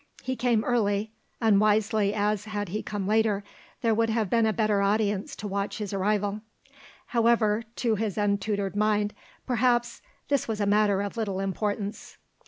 He came early, unwisely as, had he come later, there would have been a better audience to watch his arrival; however, to his untutored mind perhaps this was a matter of little importance.